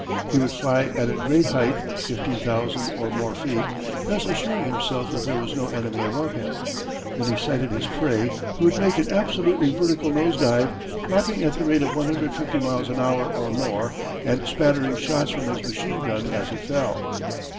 He would fly at a great height, fifteen thousand or more feet, thus assuring himself that there was no enemy above him. When he sighted his prey he would make an absolutely vertical nose dive, dropping at the rate of 150 miles an hour or more and spattering shots from his machine gun as he fell.